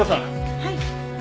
はい。